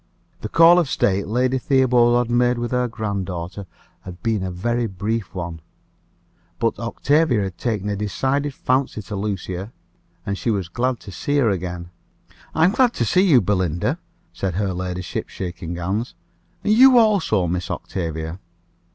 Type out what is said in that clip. The call of state Lady Theobald had made with her grand daughter had been a very brief one; but Octavia had taken a decided fancy to Lucia, and was glad to see her again. "I am glad to see you, Belinda," said her ladyship, shaking hands. "And you also, Miss Octavia."